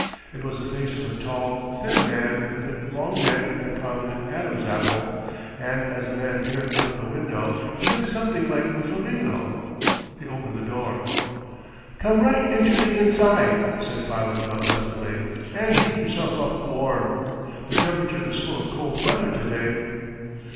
It was the face of a tall, thin man with a long neck and prominent Adam's apple, and as the man peered out of the window he looked something like a flamingo. He opened the door. "Come right into the inside," said Philo Gubb pleasantly, "and heat yourself up warm. The temperature is full of cold weather to day."